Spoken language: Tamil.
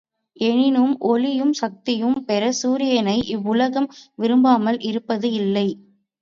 எனினும் ஒளியும் சக்தியும் பெறச் சூரியனை இவ்வுலகம் விரும்பாமல் இருப்பது இல்லை.